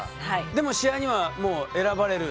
でも試合にはもう選ばれる？